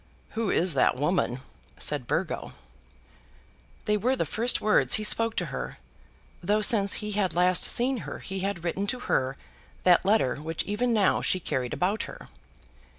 "Who is that woman?" said Burgo. They were the first words he spoke to her, though since he had last seen her he had written to her that letter which even now she carried about her.